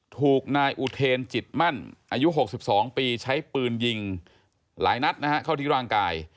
ถูกนายอุเทนจิตมั่นอายุ๖๒ปีใช้ปืนยิงหลายนัดนะฮะเข้าที่ร่างกาย